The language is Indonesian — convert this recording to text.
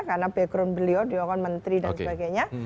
karena background beliau di orang menteri dan sebagainya